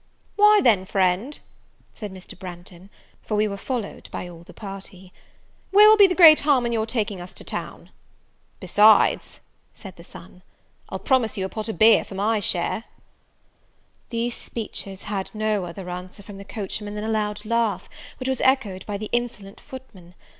"Why, then, friend," said Mr. Branghton (for we were followed by all the party), "where will be the great harm of your taking us to town?" "Besides," said the son, "I'll promise you a pot of beer for my own share." These speeches had no other answer from the coachman than a loud laugh, which was echoed by the insolent footmen.